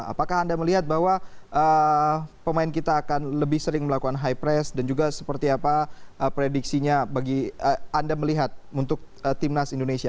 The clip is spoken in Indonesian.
apakah anda melihat bahwa pemain kita akan lebih sering melakukan high press dan juga seperti apa prediksinya bagi anda melihat untuk timnas indonesia